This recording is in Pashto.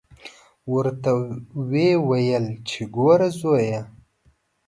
ورته ویې ویل چې ګوره زویه.